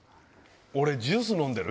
俺ジュース飲んでる？